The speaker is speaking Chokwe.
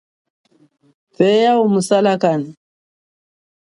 Thweya umu salakane.